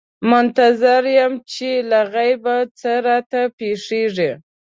منتظر یم چې له غیبه څه راته پېښېږي.